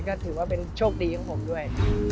ก็ถือว่าเป็นโชคดีของผมด้วย